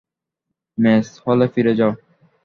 Mace হলে ফিরে যাও!